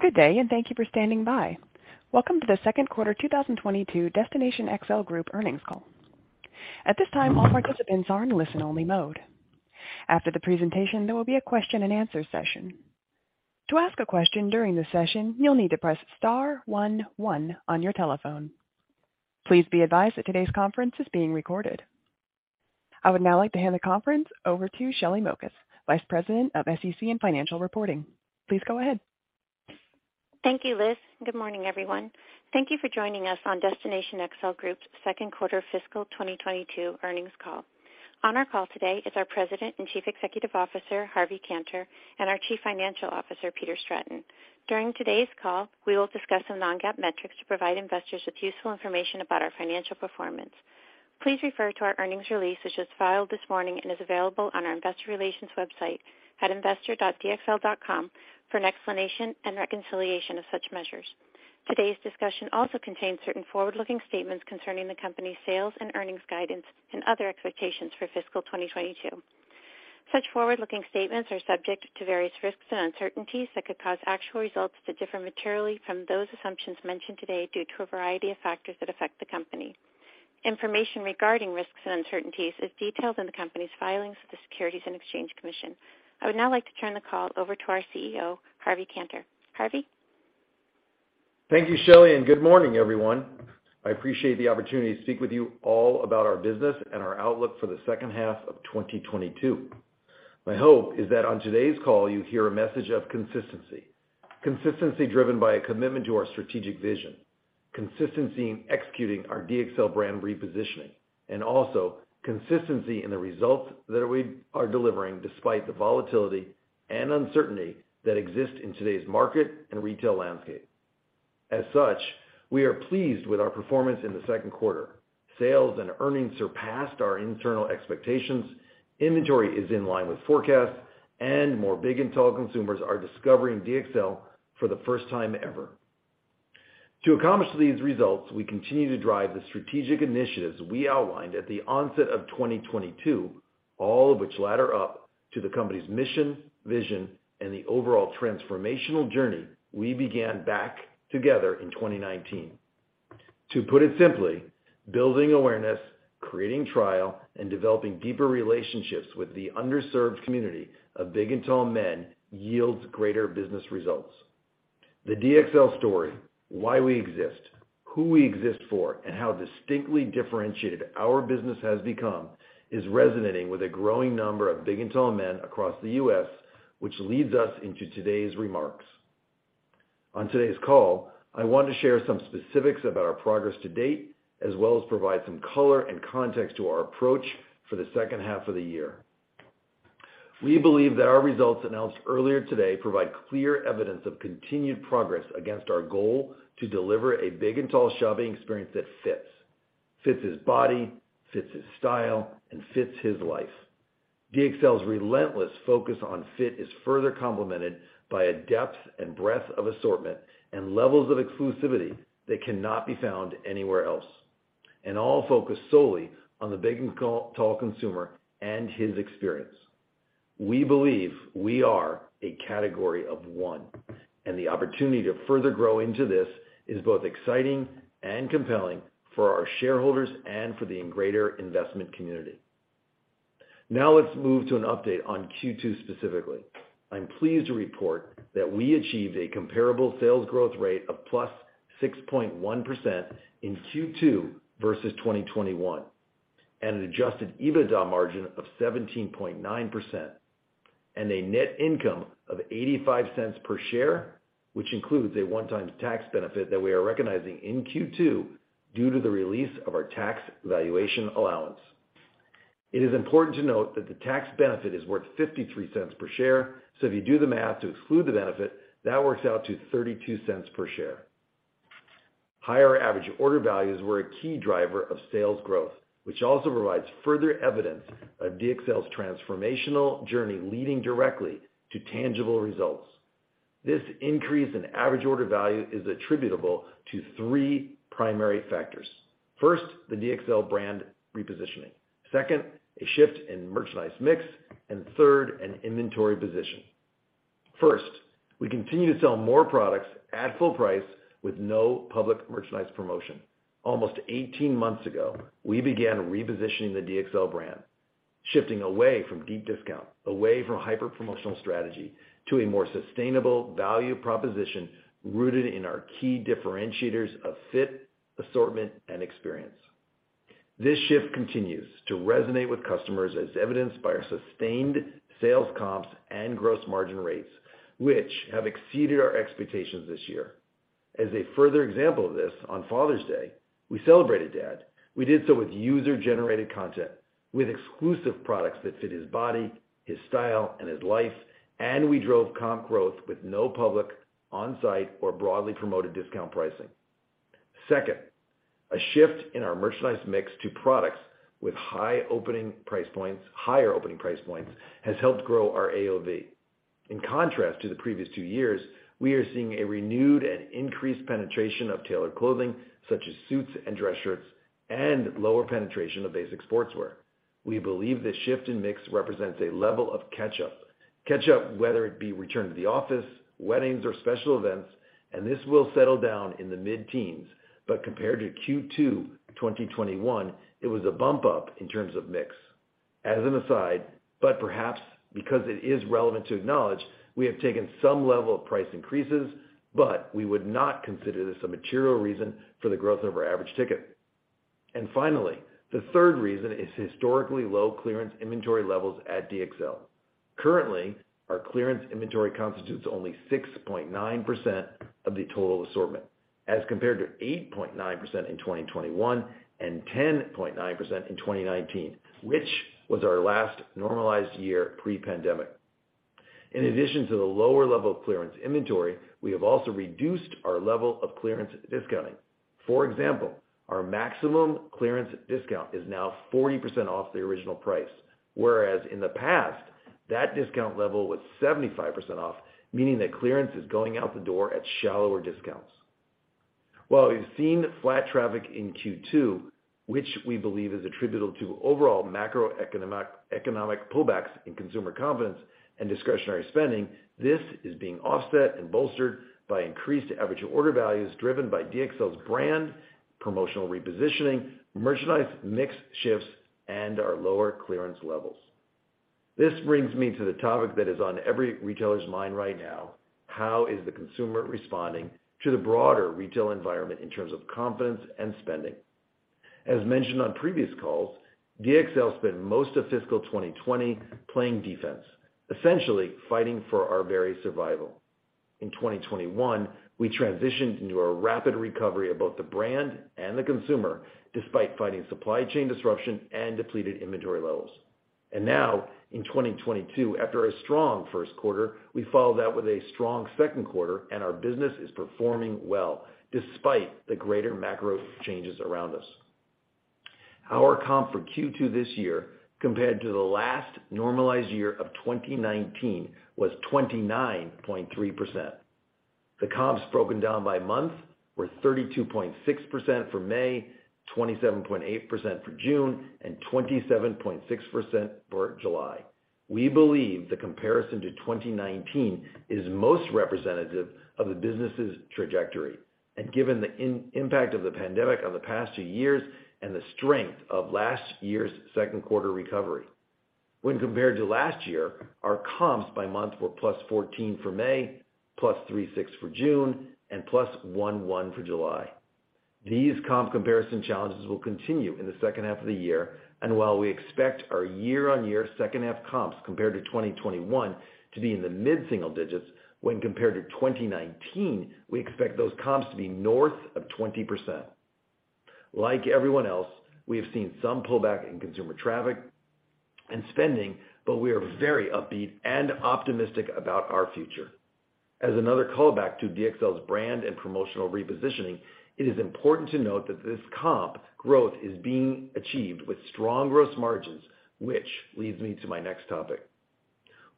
Good day, and thank you for standing by. Welcome to the Q2 2022 Destination XL Group earnings call. At this time, all participants are in listen-only mode. After the presentation, there will be a question-and-answer session. To ask a question during the session, you'll need to press star one one on your telephone. Please be advised that today's conference is being recorded. I would now like to hand the conference over to Shelly Mokas, Vice President of SEC and Financial Reporting. Please go ahead. Thank you, Liz. Good morning, everyone. Thank you for joining us on Destination XL Group's Q2 fiscal 2022 earnings call. On our call today is our President and Chief Executive Officer, Harvey Kanter, and our Chief Financial Officer, Peter Stratton. During today's call, we will discuss some non-GAAP metrics to provide investors with useful information about our financial performance. Please refer to our earnings release, which was filed this morning and is available on our investor relations website at investor.dxl.com for an explanation and reconciliation of such measures. Today's discussion also contains certain forward-looking statements concerning the company's sales and earnings guidance and other expectations for fiscal 2022. Such forward-looking statements are subject to various risks and uncertainties that could cause actual results to differ materially from those assumptions mentioned today due to a variety of factors that affect the company. Information regarding risks and uncertainties is detailed in the company's filings with the Securities and Exchange Commission. I would now like to turn the call over to our CEO, Harvey Kanter. Harvey? Thank you, Shelly, and good morning, everyone. I appreciate the opportunity to speak with you all about our business and our outlook for the H2 of 2022. My hope is that on today's call you hear a message of consistency. Consistency driven by a commitment to our strategic vision, consistency in executing our DXL brand repositioning, and also consistency in the results that we are delivering despite the volatility and uncertainty that exist in today's market and retail landscape. We are pleased with our performance in the Q2. Sales and earnings surpassed our internal expectations. Inventory is in line with forecasts, and more big and tall consumers are discovering DXL for the first time ever. To accomplish these results, we continue to drive the strategic initiatives we outlined at the onset of 2022, all of which ladder up to the company's mission, vision, and the overall transformational journey we began back together in 2019. To put it simply, building awareness, creating trial, and developing deeper relationships with the underserved community of big and tall men yields greater business results. The DXL story, why we exist, who we exist for, and how distinctly differentiated our business has become, is resonating with a growing number of big and tall men across the U.S., which leads us into today's remarks. On today's call, I want to share some specifics about our progress to date, as well as provide some color and context to our approach for the H2 of the year. We believe that our results announced earlier today provide clear evidence of continued progress against our goal to deliver a big and tall shopping experience that fits. Fits his body, fits his style, and fits his life. DXL's relentless focus on fit is further complemented by a depth and breadth of assortment and levels of exclusivity that cannot be found anywhere else, and all focused solely on the big and tall consumer and his experience. We believe we are a category of one, and the opportunity to further grow into this is both exciting and compelling for our shareholders and for the greater investment community. Now let's move to an update on Q2 specifically. I'm pleased to report that we achieved a comparable sales growth rate of +6.1% in Q2 2022 versus 2021, and an adjusted EBITDA margin of 17.9%, and a net income of $0.85 per share, which includes a one-time tax benefit that we are recognizing in Q2 due to the release of our tax valuation allowance. It is important to note that the tax benefit is worth $0.53 per share, so if you do the math to exclude the benefit, that works out to $0.32 per share. Higher average order values were a key driver of sales growth, which also provides further evidence of DXL's transformational journey leading directly to tangible results. This increase in average order value is attributable to three primary factors. First, the DXL brand repositioning. Second, a shift in merchandise mix, and third, an inventory position. First, we continue to sell more products at full price with no public merchandise promotion. Almost 18 months ago, we began repositioning the DXL brand, shifting away from deep discount, away from a hyper-promotional strategy to a more sustainable value proposition rooted in our key differentiators of fit, assortment, and experience. This shift continues to resonate with customers as evidenced by our sustained sales comps and gross margin rates, which have exceeded our expectations this year. As a further example of this, on Father's Day, we celebrated dad. We did so with user-generated content, with exclusive products that fit his body, his style, and his life, and we drove comp growth with no public on-site or broadly promoted discount pricing. Second, a shift in our merchandise mix to products with higher opening price points has helped grow our AOV. In contrast to the previous two years, we are seeing a renewed and increased penetration of tailored clothing such as suits and dress shirts and lower penetration of basic sportswear. We believe this shift in mix represents a level of catch-up, whether it be return to the office, weddings or special events, and this will settle down in the mid-teens. Compared to Q2 2021, it was a bump up in terms of mix. As an aside, but perhaps because it is relevant to acknowledge, we have taken some level of price increases, but we would not consider this a material reason for the growth of our average ticket. Finally, the third reason is historically low clearance inventory levels at DXL. Currently, our clearance inventory constitutes only 6.9% of the total assortment, as compared to 8.9% in 2021 and 10.9% in 2019, which was our last normalized year pre-pandemic. In addition to the lower level of clearance inventory, we have also reduced our level of clearance discounting. For example, our maximum clearance discount is now 40% off the original price, whereas in the past, that discount level was 75% off, meaning that clearance is going out the door at shallower discounts. While we've seen flat traffic in Q2, which we believe is attributable to overall macroeconomic, economic pullbacks in consumer confidence and discretionary spending, this is being offset and bolstered by increased average order values driven by DXL's brand, promotional repositioning, merchandise mix shifts, and our lower clearance levels. This brings me to the topic that is on every retailer's mind right now, how is the consumer responding to the broader retail environment in terms of confidence and spending? As mentioned on previous calls, DXL spent most of fiscal 2020 playing defense, essentially fighting for our very survival. In 2021, we transitioned into a rapid recovery of both the brand and the consumer, despite fighting supply chain disruption and depleted inventory levels. Now, in 2022, after a strong Q1, we followed that with a strong Q2, and our business is performing well despite the greater macro changes around us. Our comp for Q2 this year, compared to the last normalized year of 2019, was 29.3%. The comps broken down by month were 32.6% for May, 27.8% for June, and 27.6% for July. We believe the comparison to 2019 is most representative of the business's trajectory given the impact of the pandemic on the past two years and the strength of last year's Q2 recovery. When compared to last year, our comps by month were +14% for May, +36% for June, and +11% for July. These comps comparison challenges will continue in the H2 of the year, and while we expect our year-on-year H2 comps compared to 2021 to be in the mid-single digits, when compared to 2019, we expect those comps to be north of 20%. Like everyone else, we have seen some pullback in consumer traffic and spending, but we are very upbeat and optimistic about our future. As another callback to DXL's brand and promotional repositioning, it is important to note that this comp growth is being achieved with strong gross margins, which leads me to my next topic.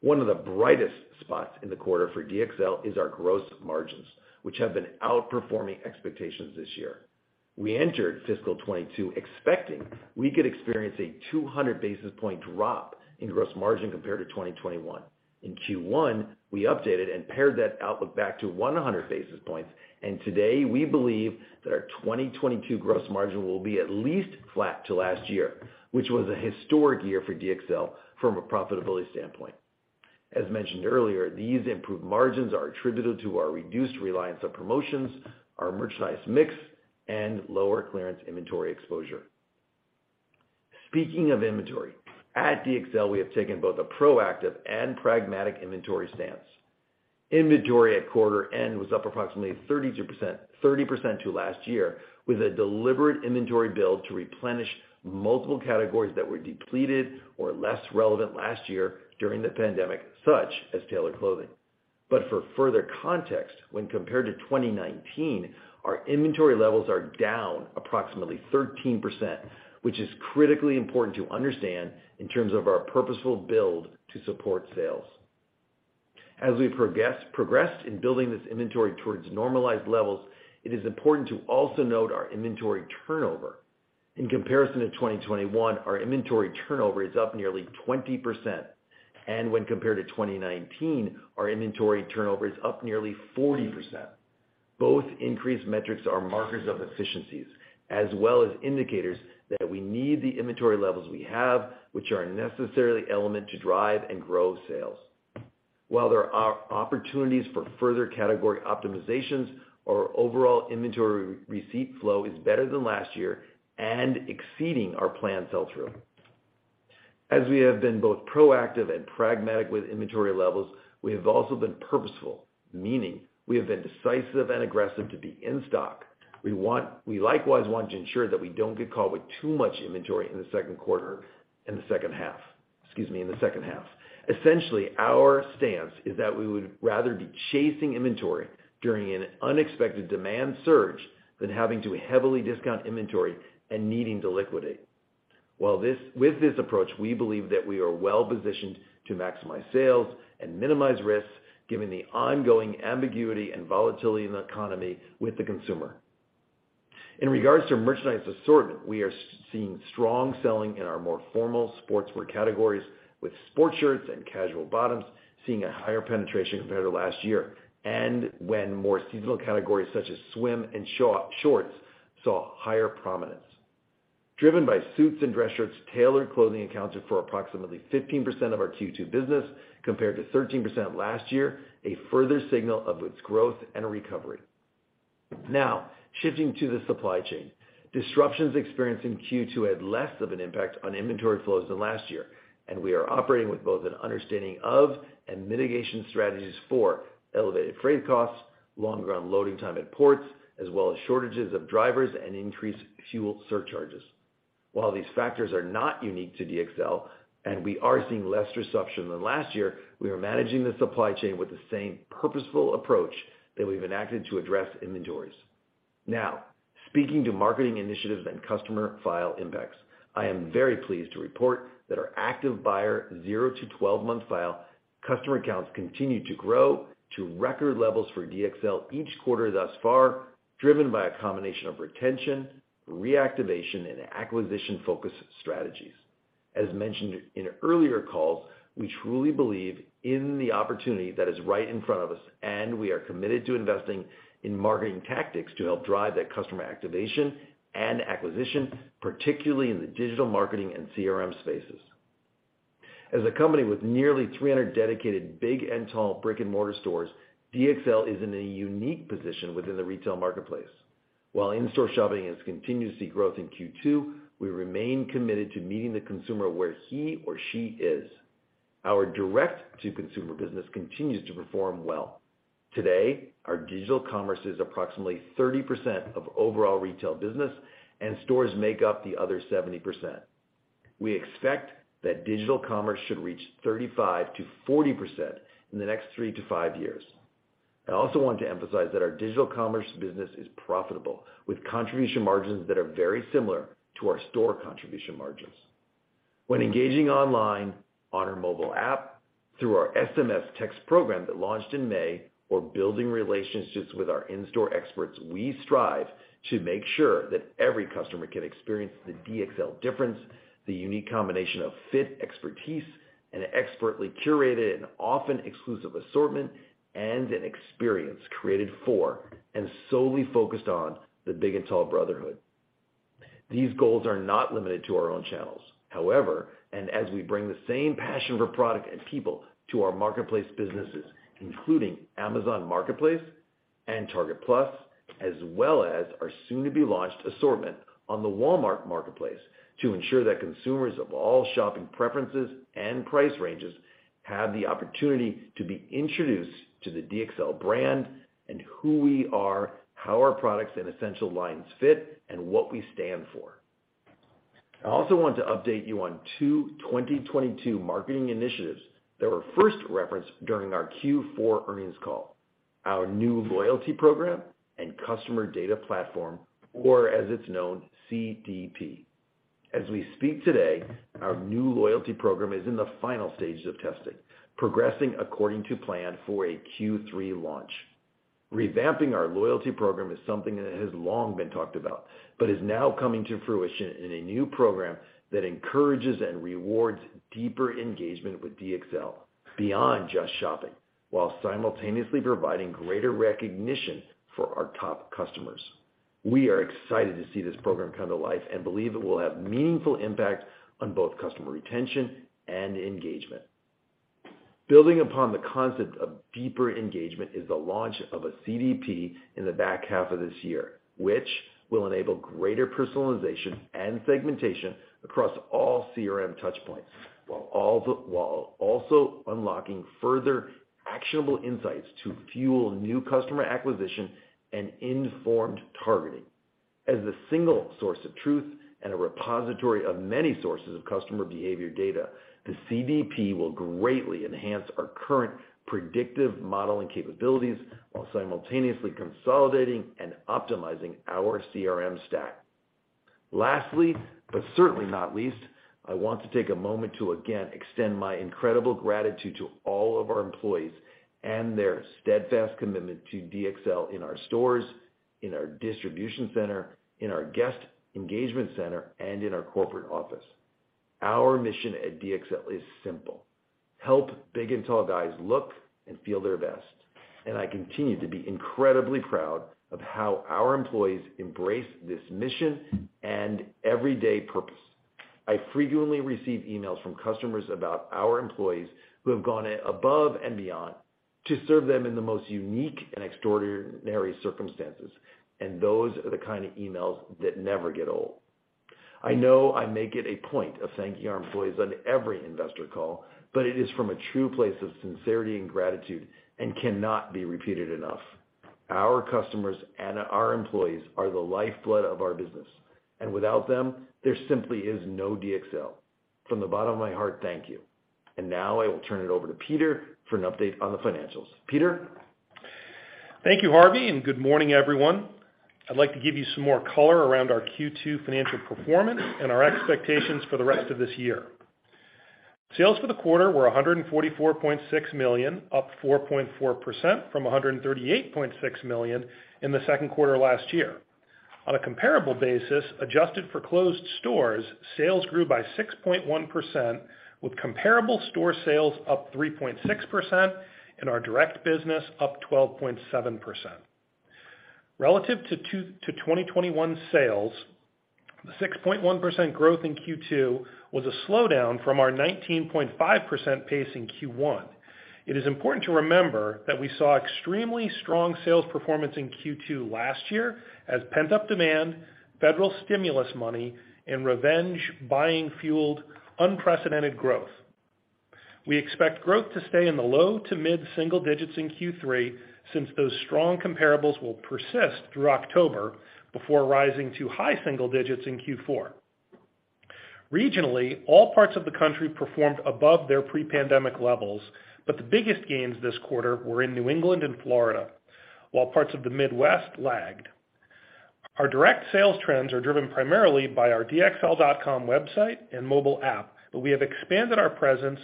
One of the brightest spots in the quarter for DXL is our gross margins, which have been outperforming expectations this year. We entered fiscal 2022 expecting we could experience a 200 basis point drop in gross margin compared to 2021. In Q1, we updated and pared that outlook back to 100 basis points, and today we believe that our 2022 gross margin will be at least flat to last year, which was a historic year for DXL from a profitability standpoint. As mentioned earlier, these improved margins are attributed to our reduced reliance on promotions, our merchandise mix, and lower clearance inventory exposure. Speaking of inventory, at DXL, we have taken both a proactive and pragmatic inventory stance. Inventory at quarter end was up approximately 30% to last year, with a deliberate inventory build to replenish multiple categories that were depleted or less relevant last year during the pandemic, such as tailored clothing. For further context, when compared to 2019, our inventory levels are down approximately 13%, which is critically important to understand in terms of our purposeful build to support sales. As we've progressed in building this inventory towards normalized levels, it is important to also note our inventory turnover. In comparison to 2021, our inventory turnover is up nearly 20%. When compared to 2019, our inventory turnover is up nearly 40%. Both increased metrics are markers of efficiencies, as well as indicators that we need the inventory levels we have, which are a necessary element to drive and grow sales. While there are opportunities for further category optimizations, our overall inventory receipt flow is better than last year and exceeding our planned sell-through. As we have been both proactive and pragmatic with inventory levels, we have also been purposeful, meaning we have been decisive and aggressive to be in stock. We likewise want to ensure that we don't get caught with too much inventory in the H2. Essentially, our stance is that we would rather be chasing inventory during an unexpected demand surge than having to heavily discount inventory and needing to liquidate. With this approach, we believe that we are well-positioned to maximize sales and minimize risks, given the ongoing ambiguity and volatility in the economy with the consumer. In regards to merchandise assortment, we are seeing strong selling in our more formal sportswear categories, with sports shirts and casual bottoms seeing a higher penetration compared to last year, and when more seasonal categories such as swim and shorts saw higher prominence. Driven by suits and dress shirts, tailored clothing accounted for approximately 15% of our Q2 business compared to 13% last year, a further signal of its growth and recovery. Now, shifting to the supply chain. Disruptions experienced in Q2 had less of an impact on inventory flows than last year, and we are operating with both an understanding of and mitigation strategies for elevated freight costs, longer unloading time at ports, as well as shortages of drivers and increased fuel surcharges. While these factors are not unique to DXL, and we are seeing less disruption than last year, we are managing the supply chain with the same purposeful approach that we've enacted to address inventories. Now, speaking to marketing initiatives and customer file impacts. I am very pleased to report that our active buyer 0- to 12-month file customer accounts continue to grow to record levels for DXL each quarter thus far, driven by a combination of retention, reactivation, and acquisition-focused strategies. As mentioned in earlier calls, we truly believe in the opportunity that is right in front of us, and we are committed to investing in marketing tactics to help drive that customer activation and acquisition, particularly in the digital marketing and CRM spaces. As a company with nearly 300 dedicated big and tall brick-and-mortar stores, DXL is in a unique position within the retail marketplace. While in-store shopping has continued to see growth in Q2, we remain committed to meeting the consumer where he or she is. Our direct-to-consumer business continues to perform well. Today, our digital commerce is approximately 30% of overall retail business, and stores make up the other 70%. We expect that digital commerce should reach 35%-40% in the next three to five years. I also want to emphasize that our digital commerce business is profitable, with contribution margins that are very similar to our store contribution margins. When engaging online on our mobile app through our SMS text program that launched in May, or building relationships with our in-store experts, we strive to make sure that every customer can experience the DXL difference, the unique combination of fit expertise, an expertly curated and often exclusive assortment, and an experience created for and solely focused on the big and tall brotherhood. These goals are not limited to our own channels, however, and as we bring the same passion for product and people to our marketplace businesses, including Amazon Marketplace and Target+, as well as our soon-to-be-launched assortment on the Walmart Marketplace, to ensure that consumers of all shopping preferences and price ranges have the opportunity to be introduced to the DXL brand and who we are, how our products and essential lines fit, and what we stand for. I also want to update you on 2022 marketing initiatives that were first referenced during our Q4 earnings call, our new loyalty program and customer data platform, or as it's known, CDP. As we speak today, our new loyalty program is in the final stages of testing, progressing according to plan for a Q3 launch. Revamping our loyalty program is something that has long been talked about, but is now coming to fruition in a new program that encourages and rewards deeper engagement with DXL beyond just shopping, while simultaneously providing greater recognition for our top customers. We are excited to see this program come to life and believe it will have meaningful impact on both customer retention and engagement. Building upon the concept of deeper engagement is the launch of a CDP in the back half of this year, which will enable greater personalization and segmentation across all CRM touch points, while also unlocking further actionable insights to fuel new customer acquisition and informed targeting. As the single source of truth and a repository of many sources of customer behavior data, the CDP will greatly enhance our current predictive modeling capabilities while simultaneously consolidating and optimizing our CRM stack. Lastly, but certainly not least, I want to take a moment to again extend my incredible gratitude to all of our employees and their steadfast commitment to DXL in our stores, in our distribution center, in our guest engagement center, and in our corporate office. Our mission at DXL is simple: help big and tall guys look and feel their best, and I continue to be incredibly proud of how our employees embrace this mission and everyday purpose. I frequently receive emails from customers about our employees who have gone above and beyond to serve them in the most unique and extraordinary circumstances, and those are the kind of emails that never get old. I know I make it a point of thanking our employees on every investor call, but it is from a true place of sincerity and gratitude and cannot be repeated enough. Our customers and our employees are the lifeblood of our business, and without them, there simply is no DXL. From the bottom of my heart, thank you. Now I will turn it over to Peter for an update on the financials. Peter? Thank you, Harvey, and good morning, everyone. I'd like to give you some more color around our Q2 financial performance and our expectations for the rest of this year. Sales for the quarter were $144.6 million, up 4.4% from $138.6 million in the Q2 last year. On a comparable basis, adjusted for closed stores, sales grew by 6.1% with comparable store sales up 3.6% and our direct business up 12.7%. Relative to 2021 sales, the 6.1% growth in Q2 was a slowdown from our 19.5% pace in Q1. It is important to remember that we saw extremely strong sales performance in Q2 last year as pent-up demand, federal stimulus money, and revenge buying fueled unprecedented growth. We expect growth to stay in the low- to mid-single digits in Q3 since those strong comparables will persist through October before rising to high single digits in Q4. Regionally, all parts of the country performed above their pre-pandemic levels, but the biggest gains this quarter were in New England and Florida, while parts of the Midwest lagged. Our direct sales trends are driven primarily by our DXL.com website and mobile app, but we have expanded our presence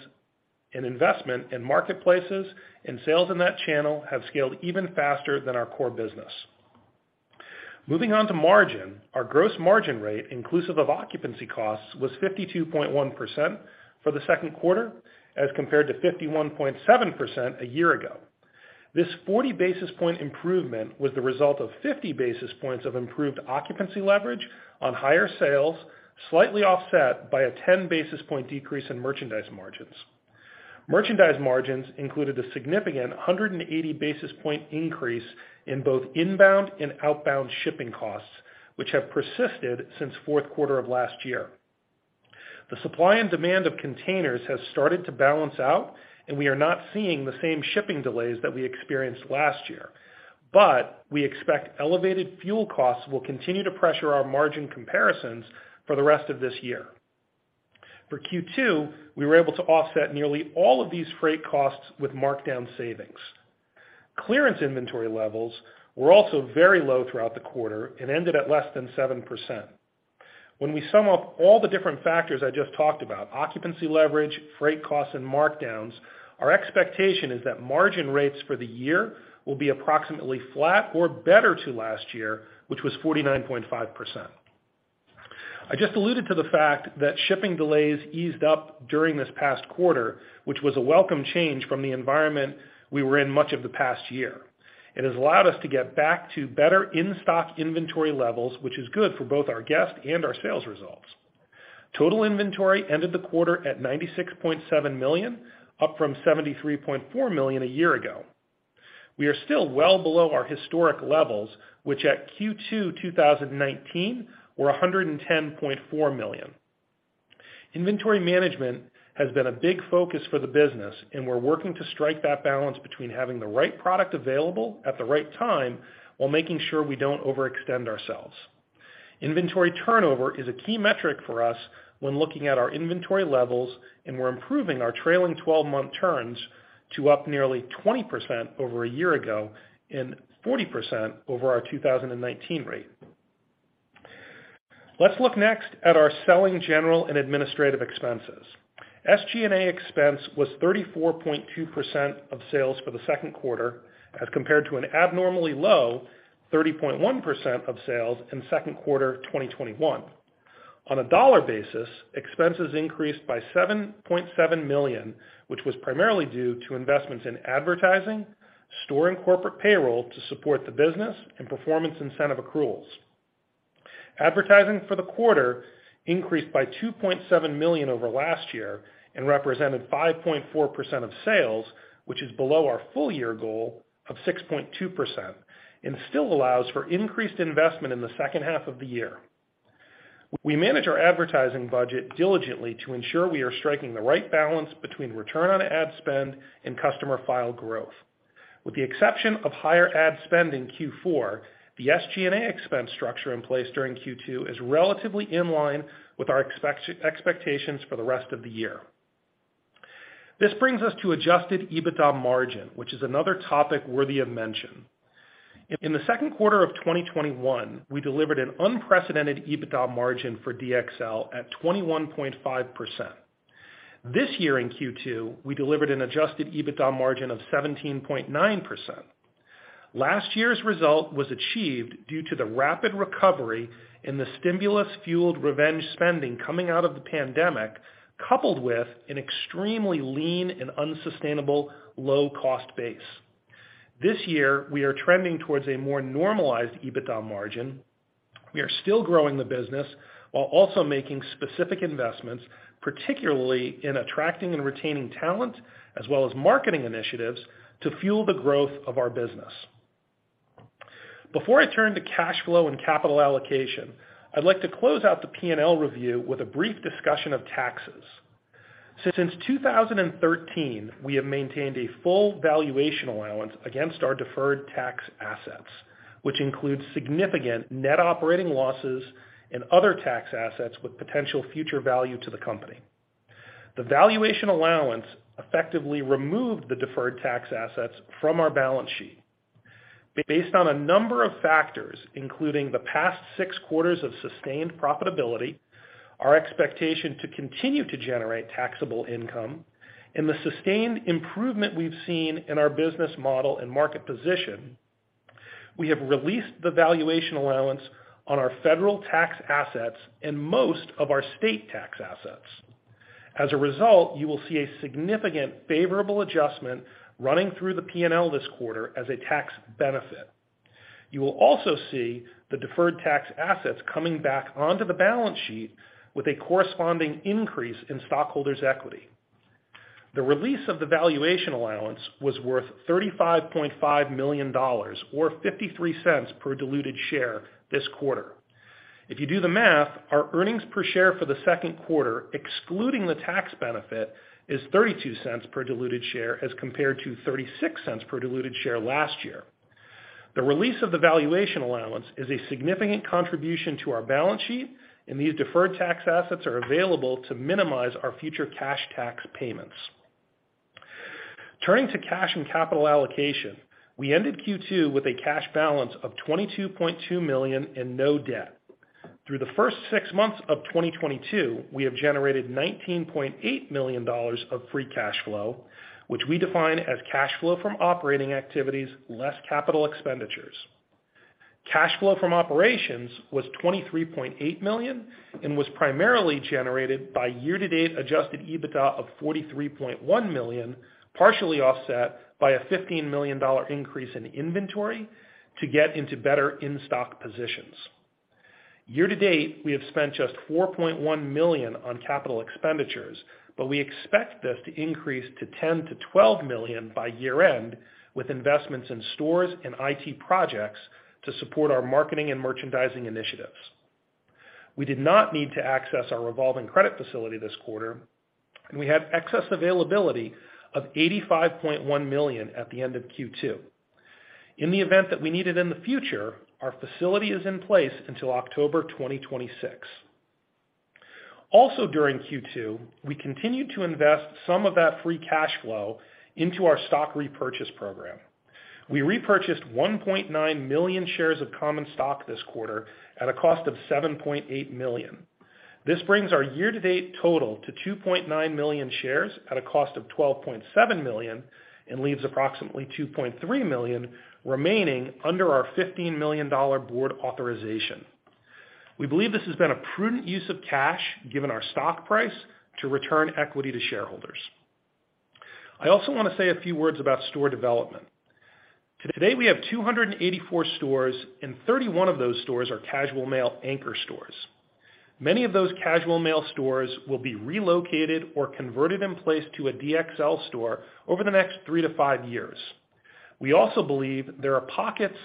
and investment in marketplaces, and sales in that channel have scaled even faster than our core business. Moving on to margin. Our gross margin rate, inclusive of occupancy costs, was 52.1% for the Q2 as compared to 51.7% a year ago. This 40 basis point improvement was the result of 50 basis points of improved occupancy leverage on higher sales, slightly offset by a 10 basis point decrease in merchandise margins. Merchandise margins included a significant 180 basis point increase in both inbound and outbound shipping costs, which have persisted since Q4 of last year. The supply and demand of containers has started to balance out, and we are not seeing the same shipping delays that we experienced last year. We expect elevated fuel costs will continue to pressure our margin comparisons for the rest of this year. For Q2, we were able to offset nearly all of these freight costs with markdown savings. Clearance inventory levels were also very low throughout the quarter and ended at less than 7%. When we sum up all the different factors I just talked about, occupancy leverage, freight costs, and markdowns, our expectation is that margin rates for the year will be approximately flat or better to last year, which was 49.5%. I just alluded to the fact that shipping delays eased up during this past quarter, which was a welcome change from the environment we were in much of the past year. It has allowed us to get back to better in-stock inventory levels, which is good for both our guests and our sales results. Total inventory ended the quarter at $96.7 million, up from $73.4 million a year ago. We are still well below our historic levels, which at Q2 2019 were $110.4 million. Inventory management has been a big focus for the business, and we're working to strike that balance between having the right product available at the right time while making sure we don't overextend ourselves. Inventory turnover is a key metric for us when looking at our inventory levels, and we're improving our trailing twelve-month turns to up nearly 20% over a year ago and 40% over our 2019 rate. Let's look next at our selling, general, and administrative expenses. SG&A expense was 34.2% of sales for the Q2 as compared to an abnormally low 30.1% of sales in Q2 2021. On a dollar basis, expenses increased by $7.7 million, which was primarily due to investments in advertising, store and corporate payroll to support the business, and performance incentive accruals. Advertising for the quarter increased by $2.7 million over last year and represented 5.4% of sales, which is below our full year goal of 6.2% and still allows for increased investment in the H2 of the year. We manage our advertising budget diligently to ensure we are striking the right balance between return on ad spend and customer file growth. With the exception of higher ad spend in Q4, the SG&A expense structure in place during Q2 is relatively in line with our expectations for the rest of the year. This brings us to adjusted EBITDA margin, which is another topic worthy of mention. In the Q2 of 2021, we delivered an unprecedented EBITDA margin for DXL at 21.5%. This year in Q2, we delivered an adjusted EBITDA margin of 17.9%. Last year's result was achieved due to the rapid recovery in the stimulus-fueled revenge spending coming out of the pandemic, coupled with an extremely lean and unsustainable low-cost base. This year, we are trending towards a more normalized EBITDA margin. We are still growing the business while also making specific investments, particularly in attracting and retaining talent, as well as marketing initiatives to fuel the growth of our business. Before I turn to cash flow and capital allocation, I'd like to close out the P&L review with a brief discussion of taxes. Since 2013, we have maintained a full valuation allowance against our deferred tax assets, which includes significant net operating losses and other tax assets with potential future value to the company. The valuation allowance effectively removed the deferred tax assets from our balance sheet. Based on a number of factors, including the past six quarters of sustained profitability, our expectation to continue to generate taxable income, and the sustained improvement we've seen in our business model and market position, we have released the valuation allowance on our federal tax assets and most of our state tax assets. As a result, you will see a significant favorable adjustment running through the P&L this quarter as a tax benefit. You will also see the deferred tax assets coming back onto the balance sheet with a corresponding increase in stockholders' equity. The release of the valuation allowance was worth $35.5 million or 0.53 per diluted share this quarter. If you do the math, our earnings per share for the Q2, excluding the tax benefit, is $0.32 per diluted share as compared to $0.36 per diluted share last year. The release of the valuation allowance is a significant contribution to our balance sheet, and these deferred tax assets are available to minimize our future cash tax payments. Turning to cash and capital allocation, we ended Q2 with a cash balance of $22.2 million and no debt. Through the first six months of 2022, we have generated $19.8 million of free cash flow, which we define as cash flow from operating activities less capital expenditures. Cash flow from operations was $23.8 million and was primarily generated by year-to-date adjusted EBITDA of $43.1 million, partially offset by a $15 million increase in inventory to get into better in-stock positions. Year to date, we have spent just $4.1 million on capital expenditures, but we expect this to increase to $10-12 million by year-end with investments in stores and IT projects to support our marketing and merchandising initiatives. We did not need to access our revolving credit facility this quarter, and we had excess availability of $85.1 million at the end of Q2. In the event that we need it in the future, our facility is in place until October 2026. Also, during Q2, we continued to invest some of that free cash flow into our stock repurchase program. We repurchased 1.9 million shares of common stock this quarter at a cost of $7.8 million. This brings our year-to-date total to 2.9 million shares at a cost of $12.7 million and leaves approximately 2.3 million remaining under our $15 million board authorization. We believe this has been a prudent use of cash, given our stock price, to return equity to shareholders. I also wanna say a few words about store development. Today, we have 284 stores, and 31 of those stores are Casual Male anchor stores. Many of those Casual Male stores will be relocated or converted in place to a DXL store over the next three to five years. We also believe there are pockets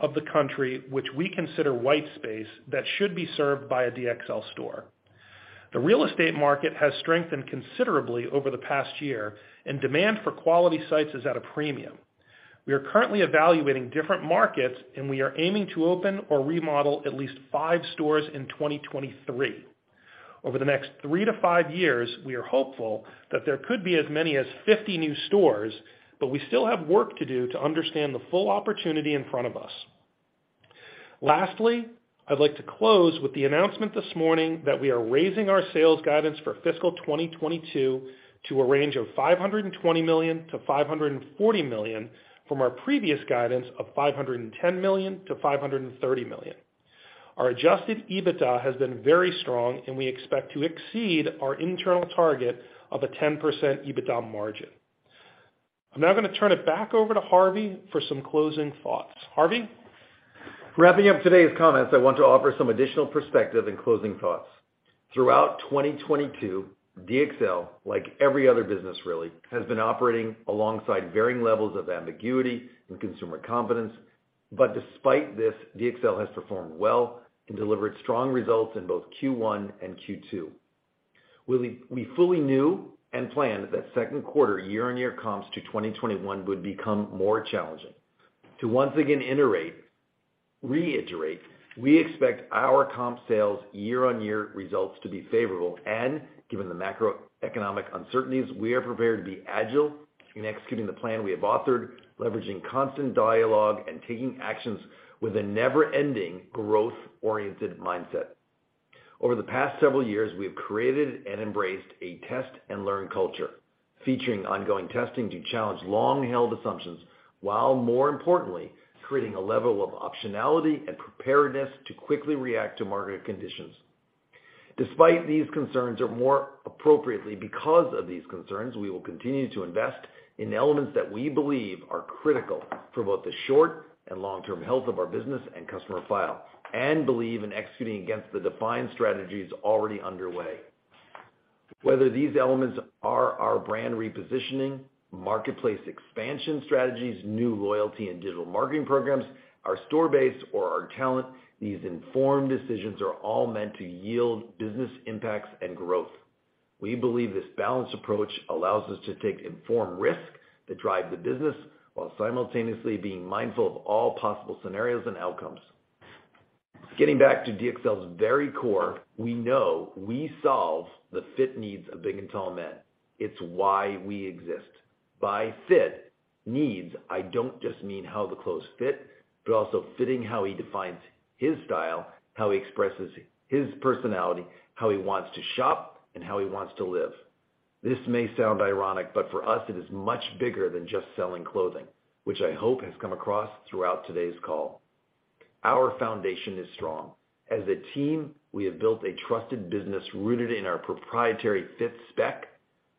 of the country which we consider white space that should be served by a DXL store. The real estate market has strengthened considerably over the past year, and demand for quality sites is at a premium. We are currently evaluating different markets, and we are aiming to open or remodel at least five stores in 2023. Over the next three-five years, we are hopeful that there could be as many as 50 new stores, but we still have work to do to understand the full opportunity in front of us. Lastly, I'd like to close with the announcement this morning that we are raising our sales guidance for fiscal 2022 to a range of $520 million-540 million from our previous guidance of $510 million-530 million. Our adjusted EBITDA has been very strong, and we expect to exceed our internal target of a 10% EBITDA margin. I'm now gonna turn it back over to Harvey for some closing thoughts. Harvey? Wrapping up today's comments, I want to offer some additional perspective and closing thoughts. Throughout 2022, DXL, like every other business really, has been operating alongside varying levels of ambiguity and consumer confidence. Despite this, DXL has performed well and delivered strong results in both Q1 and Q2. We fully knew and planned that Q2 year-on-year comps to 2021 would become more challenging. To once again reiterate, we expect our comp sales year-on-year results to be favorable, and given the macroeconomic uncertainties, we are prepared to be agile in executing the plan we have authored, leveraging constant dialogue and taking actions with a never-ending growth-oriented mindset. Over the past several years, we have created and embraced a test-and-learn culture, featuring ongoing testing to challenge long-held assumptions, while more importantly, creating a level of optionality and preparedness to quickly react to market conditions. Despite these concerns, or more appropriately because of these concerns, we will continue to invest in elements that we believe are critical for both the short and long-term health of our business and customer file, and believe in executing against the defined strategies already underway. Whether these elements are our brand repositioning, marketplace expansion strategies, new loyalty and digital marketing programs, our store base, or our talent, these informed decisions are all meant to yield business impacts and growth. We believe this balanced approach allows us to take informed risk that drives the business while simultaneously being mindful of all possible scenarios and outcomes. Getting back to DXL's very core, we know we solve the fit needs of big and tall men. It's why we exist. By fit needs, I don't just mean how the clothes fit, but also fitting how he defines his style, how he expresses his personality, how he wants to shop, and how he wants to live. This may sound ironic, but for us it is much bigger than just selling clothing, which I hope has come across throughout today's call. Our foundation is strong. As a team, we have built a trusted business rooted in our proprietary fit spec,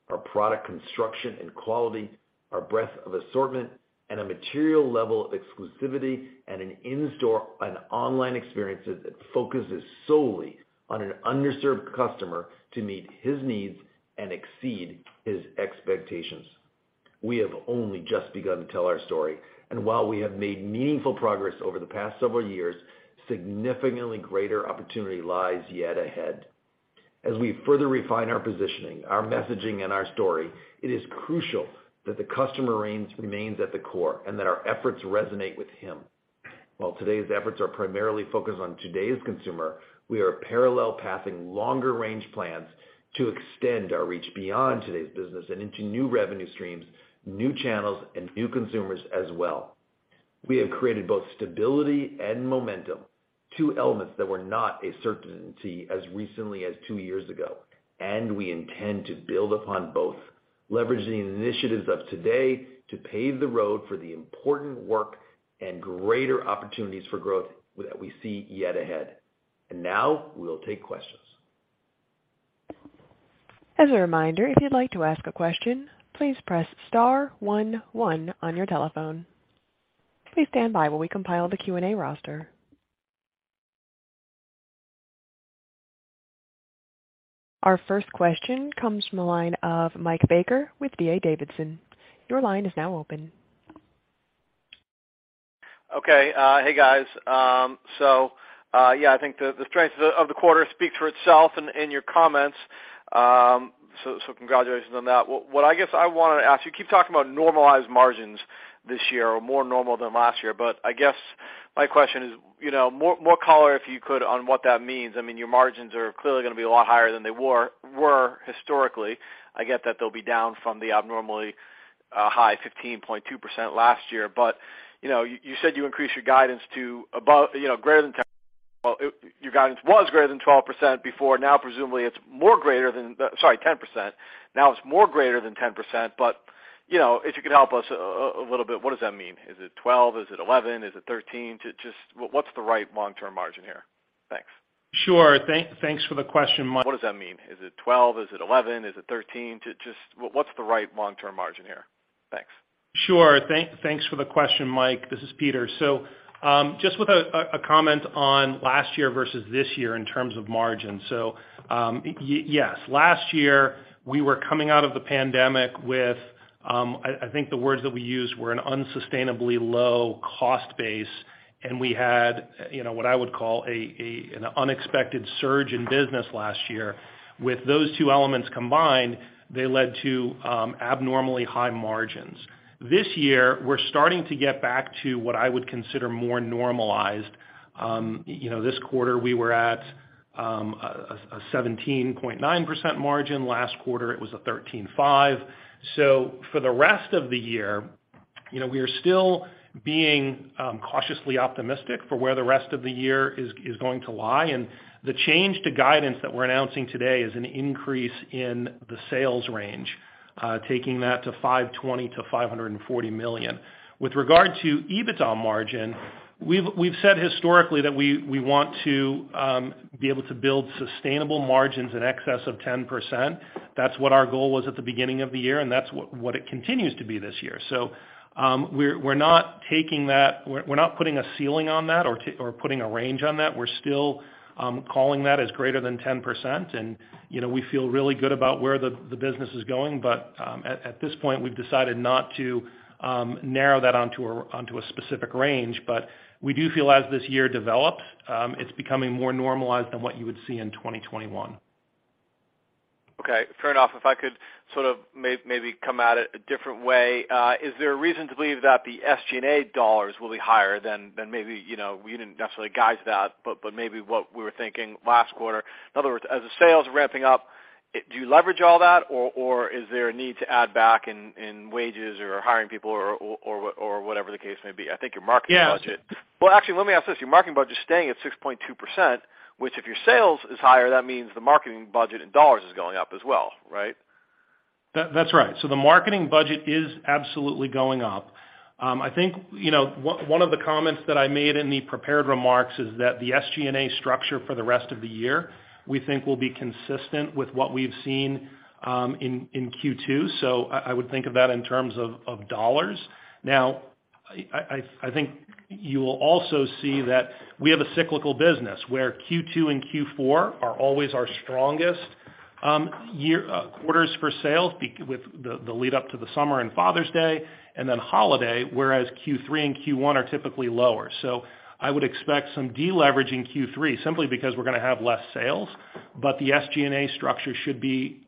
our product construction and quality, our breadth of assortment, and a material level of exclusivity and an in-store and online experience that focuses solely on an underserved customer to meet his needs and exceed his expectations. We have only just begun to tell our story, and while we have made meaningful progress over the past several years, significantly greater opportunity lies yet ahead. As we further refine our positioning, our messaging, and our story, it is crucial that the customer remains at the core and that our efforts resonate with him. While today's efforts are primarily focused on today's consumer, we are parallel pathing longer range plans to extend our reach beyond today's business and into new revenue streams, new channels, and new consumers as well. We have created both stability and momentum, two elements that were not a certainty as recently as two years ago, and we intend to build upon both, leveraging the initiatives of today to pave the road for the important work and greater opportunities for growth that we see yet ahead. Now we'll take questions. As a reminder, if you'd like to ask a question, please press star one one on your telephone. Please stand by while we compile the Q&A roster. Our first question comes from the line of Mike Baker with D.A. Davidson. Your line is now open. Okay, hey, guys. Yeah, I think the strength of the quarter speaks for itself in your comments. Congratulations on that. What I guess I wanted to ask you keep talking about normalized margins this year or more normal than last year, but I guess my question is, you know, more color, if you could, on what that means. I mean, your margins are clearly gonna be a lot higher than they were historically. I get that they'll be down from the abnormally high 15.2% last year. You know, you said you increased your guidance to above, you know, greater than 10. Well, your guidance was greater than 12% before. Now, presumably it's more greater than 10%. Sorry, 10%. Now it's more greater than 10%, but you know, if you could help us a little bit, what does that mean? Is it 12? Is it 11? Is it 13? Or just what's the right long-term margin here? Thanks. Sure. Thanks for the question, Mike. What does that mean? Is it 12%? Is it 11%? Is it 13%? So just what's the right long-term margin here? Thanks. Sure. Thanks for the question, Mike. This is Peter. Just with a comment on last year versus this year in terms of margin. Yes, last year we were coming out of the pandemic with, I think the words that we used were an unsustainably low cost base. We had, you know, what I would call an unexpected surge in business last year. With those two elements combined, they led to abnormally high margins. This year, we're starting to get back to what I would consider more normalized. You know, this quarter we were at a 17.9% margin. Last quarter, it was a 13.5%. For the rest of the year, you know, we are still being cautiously optimistic for where the rest of the year is going to lie. The change to guidance that we're announcing today is an increase in the sales range, taking that to $520 million-540 million. With regard to EBITDA margin, we've said historically that we want to be able to build sustainable margins in excess of 10%. That's what our goal was at the beginning of the year, and that's what it continues to be this year. We're not taking that. We're not putting a ceiling on that or putting a range on that. We're still calling that as greater than 10%. You know, we feel really good about where the business is going. At this point, we've decided not to narrow that onto a specific range. We do feel as this year develops, it's becoming more normalized than what you would see in 2021. Okay, fair enough. If I could sort of maybe come at it a different way. Is there a reason to believe that the SG&A dollars will be higher than maybe, you know, we didn't necessarily guide that, but maybe what we were thinking last quarter. In other words, as the sales are ramping up, do you leverage all that? Or is there a need to add back in wages or hiring people or what, or whatever the case may be? I think your marketing budget Yeah. Well, actually, let me ask this. Your marketing budget is staying at 6.2%, which if your sales is higher, that means the marketing budget in dollars is going up as well, right? That's right. The marketing budget is absolutely going up. I think, you know, one of the comments that I made in the prepared remarks is that the SG&A structure for the rest of the year, we think will be consistent with what we've seen in Q2. I think you will also see that we have a cyclical business where Q2 and Q4 are always our strongest quarters for sales with the lead up to the summer and Father's Day and then holiday, whereas Q3 and Q1 are typically lower. I would expect some deleveraging Q3 simply because we're gonna have less sales. The SG&A structure should be.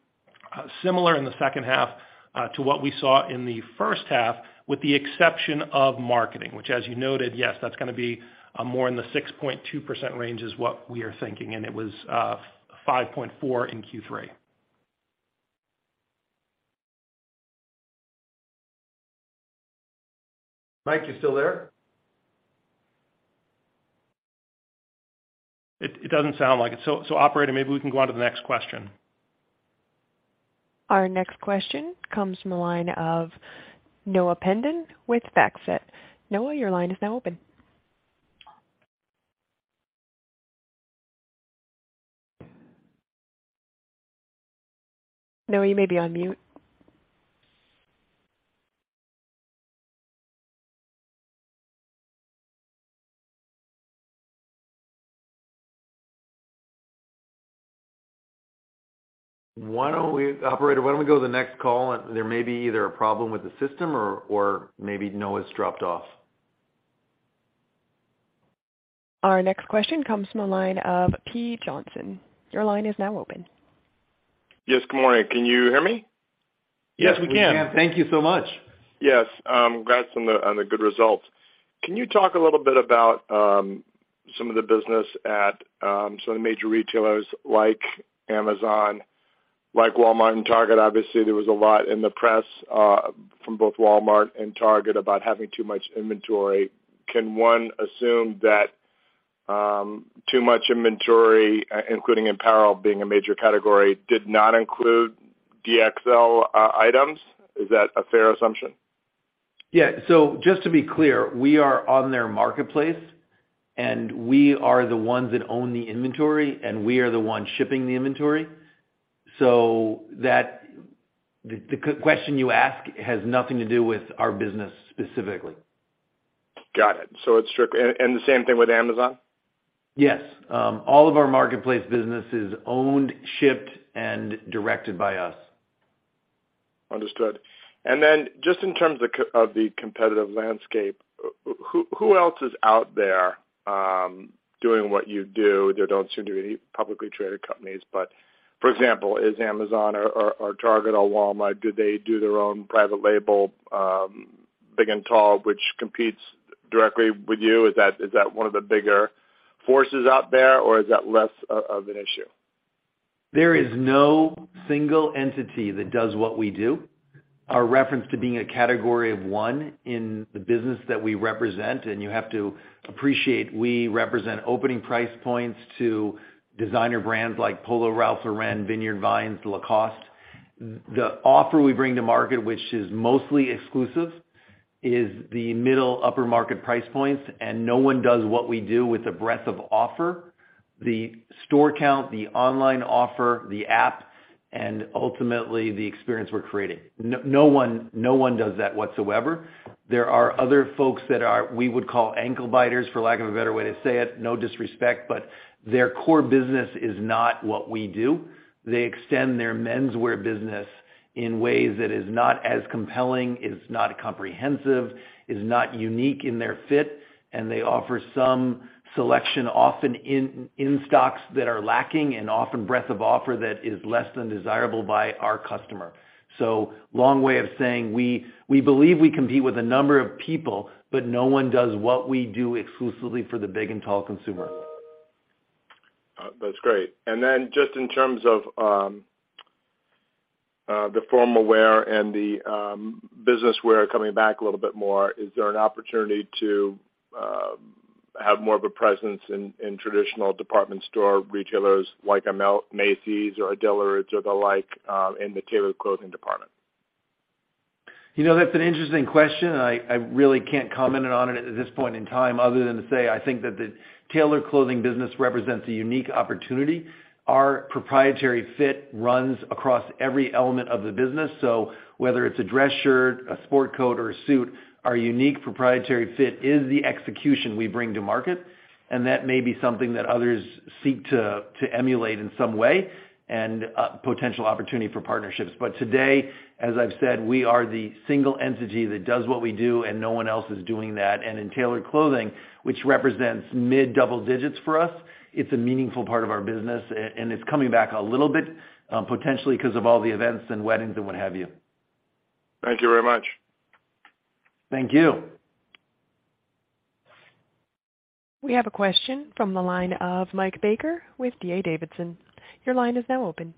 Similar in the H2 to what we saw in the H1, with the exception of marketing, which as you noted, yes, that's gonna be more in the 6.2% range is what we are thinking, and it was 5.4% in Q3. Mike, you still there? It doesn't sound like it. Operator, maybe we can go on to the next question. Our next question comes from the line of Noah Peden with FactSet. Noah, your line is now open. Noah, you may be on mute. Operator, why don't we go to the next call? There may be either a problem with the system or maybe Noah's dropped off. Our next question comes from the line of Jeremy Hamblin. Your line is now open. Yes. Good morning. Can you hear me? Yes, we can. Yes, we can. Thank you so much. Yes. Congrats on the good results. Can you talk a little bit about some of the business at some of the major retailers like Amazon, like Walmart and Target? Obviously, there was a lot in the press from both Walmart and Target about having too much inventory. Can one assume that too much inventory, including apparel being a major category, did not include DXL items? Is that a fair assumption? Yeah. Just to be clear, we are on their marketplace, and we are the ones that own the inventory, and we are the ones shipping the inventory. That the question you ask has nothing to do with our business specifically. Got it. It's strictly and the same thing with Amazon? Yes. All of our marketplace business is owned, shipped, and directed by us. Understood. Just in terms of the competitive landscape, who else is out there doing what you do? There don't seem to be any publicly traded companies. For example, is Amazon or Target or Walmart, do they do their own private label, big and tall, which competes directly with you? Is that one of the bigger forces out there, or is that less of an issue? There is no single entity that does what we do. Our reference to being a category of one in the business that we represent, and you have to appreciate, we represent opening price points to designer brands like Polo Ralph Lauren, Vineyard Vines, Lacoste. The offer we bring to market, which is mostly exclusive, is the middle upper market price points, and no one does what we do with the breadth of offer. The store count, the online offer, the app, and ultimately the experience we're creating. No one does that whatsoever. There are other folks that are, we would call ankle biters for lack of a better way to say it. No disrespect, but their core business is not what we do. They extend their menswear business in ways that is not as compelling, is not comprehensive, is not unique in their fit, and they offer some selection, often in stocks that are lacking and often breadth of offer that is less than desirable by our customer. Long way of saying we believe we compete with a number of people, but no one does what we do exclusively for the big and tall consumer. That's great. Just in terms of the formal wear and the business wear coming back a little bit more, is there an opportunity to have more of a presence in traditional department store retailers like a Macy's or a Dillard's or the like in the tailored clothing department? You know, that's an interesting question, and I really can't comment on it at this point in time other than to say, I think that the tailored clothing business represents a unique opportunity. Our proprietary fit runs across every element of the business. Whether it's a dress shirt, a sport coat, or a suit, our unique proprietary fit is the execution we bring to market, and that may be something that others seek to emulate in some way and a potential opportunity for partnerships. Today, as I've said, we are the single entity that does what we do, and no one else is doing that. In tailored clothing, which represents mid-double digits for us, it's a meaningful part of our business, and it's coming back a little bit, potentially 'cause of all the events and weddings and what have you. Thank you very much. Thank you. We have a question from the line of Mike Baker with D.A. Davidson. Your line is now open.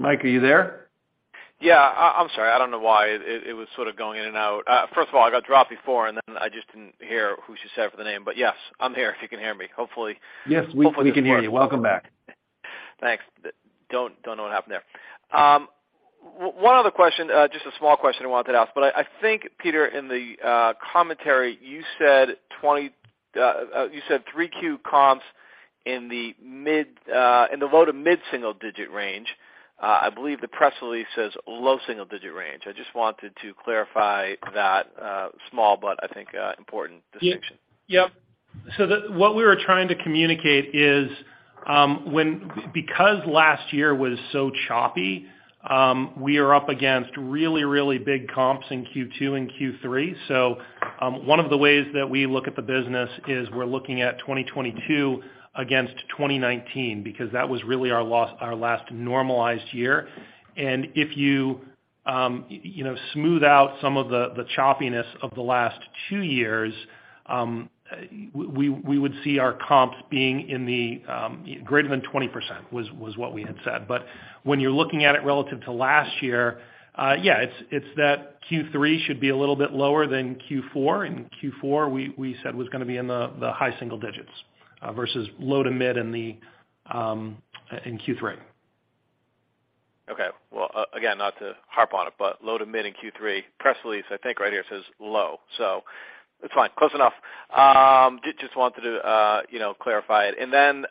Mike, are you there? Yeah. I'm sorry. I don't know why it was sort of going in and out. First of all, I got dropped before, and then I just didn't hear who she said for the name. Yes, I'm here if you can hear me. Hopefully. Yes, we can hear you. Welcome back. Thanks. Don't know what happened there. One other question, just a small question I wanted to ask. I think, Peter, in the commentary, you said 3Q comps in the low to mid-single digit range. I believe the press release says low single digit range. I just wanted to clarify that, small, but I think, important distinction. What we were trying to communicate is, because last year was so choppy, we are up against really, really big comps in Q2 and Q3. One of the ways that we look at the business is we're looking at 2022 against 2019 because that was really our last normalized year. If you You know, smooth out some of the choppiness of the last two years, we would see our comps being in the greater than 20%, was what we had said. When you're looking at it relative to last year, yeah, it's that Q3 should be a little bit lower than Q4, and Q4, we said was gonna be in the high single digits versus low to mid in Q3. Okay. Well, again, not to harp on it, but low to mid in Q3. Press release, I think right here, says low. It's fine. Close enough. Just wanted to, you know, clarify it. Then,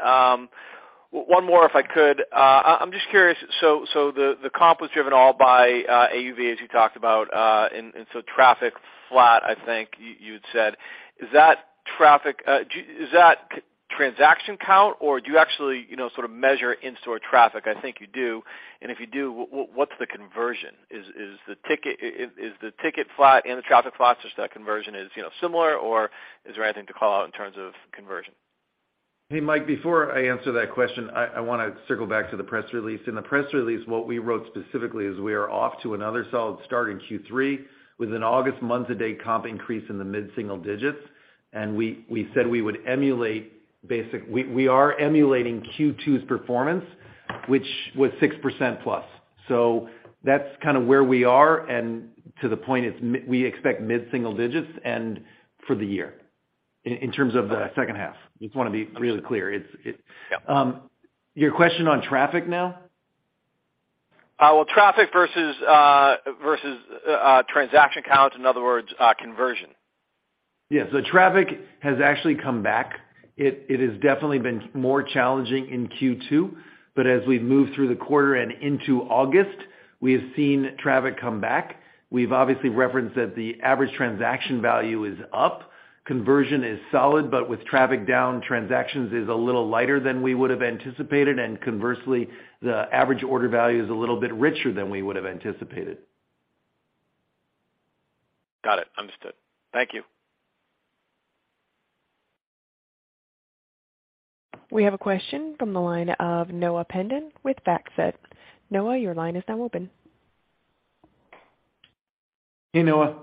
one more if I could. I'm just curious. The comp was driven all by AUV, as you talked about. Traffic flat, I think you'd said. Is that traffic? Is that transaction count, or do you actually, you know, sort of measure in-store traffic? I think you do. If you do, what's the conversion? Is the ticket flat and the traffic flat, so that conversion is, you know, similar or is there anything to call out in terms of conversion? Hey, Mike, before I answer that question, I wanna circle back to the press release. In the press release, what we wrote specifically is we are off to another solid start in Q3 with an August month-to-date comp increase in the mid-single digits%. We said we are emulating Q2's performance, which was 6%+. That's kinda where we are, and to the point, we expect mid-single digits% for the year in terms of the H2. Just wanna be really clear. It Yeah. Your question on traffic now? Well, traffic versus transaction count. In other words, conversion. Yeah. Traffic has actually come back. It has definitely been more challenging in Q2, but as we've moved through the quarter and into August, we have seen traffic come back. We've obviously referenced that the average transaction value is up. Conversion is solid, but with traffic down, transactions is a little lighter than we would have anticipated. Conversely, the average order value is a little bit richer than we would have anticipated. Got it. Understood. Thank you. We have a question from the line of Noah Pendon with FactSet. Noah, your line is now open. Hey, Noah.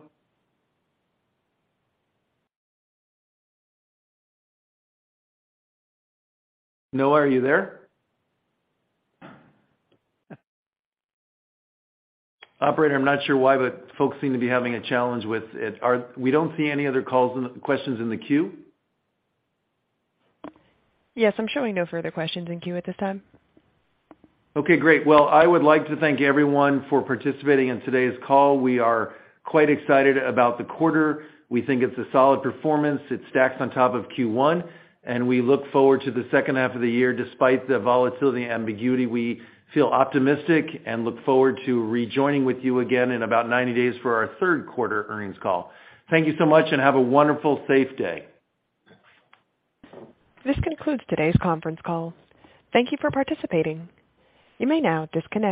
Noah, are you there? Operator, I'm not sure why, but folks seem to be having a challenge with it. We don't see any other calls, questions in the queue? Yes. I'm showing no further questions in queue at this time. Okay, great. Well, I would like to thank everyone for participating in today's call. We are quite excited about the quarter. We think it's a solid performance. It stacks on top of Q1, and we look forward to the H2 of the year. Despite the volatility and ambiguity, we feel optimistic and look forward to rejoining with you again in about 90 days for our Q3 earnings call. Thank you so much and have a wonderful, safe day. This concludes today's conference call. Thank you for participating. You may now disconnect.